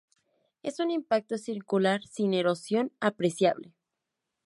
Es un impacto circular, sin erosión apreciable.